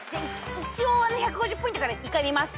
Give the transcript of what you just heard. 一応１５０ポイントから１回見ます。